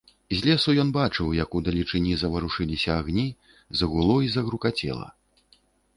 З лесу ён бачыў, як удалечыні заварушыліся агні, загуло і загрукацела.